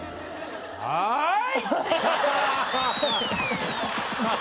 はい！